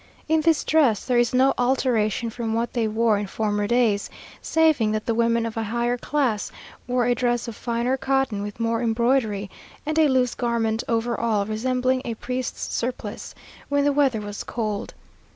In this dress there is no alteration from what they wore in former days; saving that the women of a higher class wore a dress of finer cotton with more embroidery, and a loose garment over all, resembling a priest's surplice, when the weather was cold.